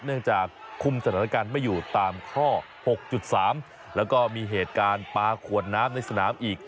เนื่องจากคุมสถานการณ์ไม่อยู่ตามข้อ๖๓แล้วก็มีเหตุการณ์ปลาขวดน้ำในสนามอีก